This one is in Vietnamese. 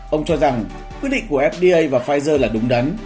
ông cho rằng quyết định của fda và pfizer là đúng đắn